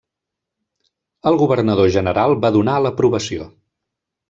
El governador general va donar l'aprovació.